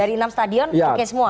dari enam stadion oke semua